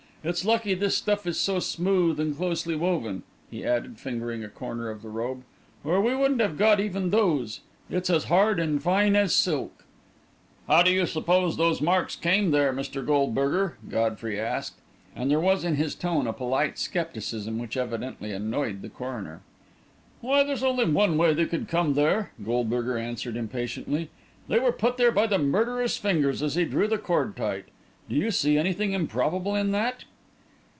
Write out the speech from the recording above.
It's lucky this stuff is so smooth and closely woven," he added, fingering a corner of the robe, "or we wouldn't have got even those. It's as hard and fine as silk." "How do you suppose those marks came there, Mr. Goldberger?" Godfrey asked, and there was in his tone a polite scepticism which evidently annoyed the coroner. "Why, there's only one way they could come there," Goldberger answered impatiently. "They were put there by the murderer's fingers as he drew the cord tight. Do you see anything improbable in that?"